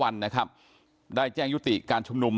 สวัสดีคุณผู้ชมครับสวัสดีคุณผู้ชมครับ